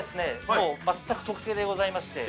もう全く特製でございまして。